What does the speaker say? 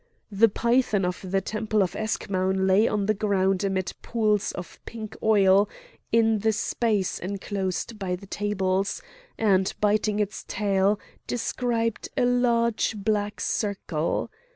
The python of the temple of Eschmoun lay on the ground amid pools of pink oil in the space enclosed by the tables, and, biting its tail, described a large black circle.